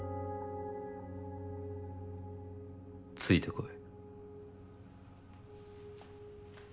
ついて来い。